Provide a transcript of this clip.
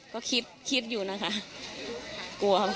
ค่ะก็คิดอยู่นะคะ